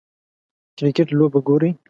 کریکټ لوبه ګورئ